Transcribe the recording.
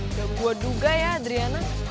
gak gue duga ya adriana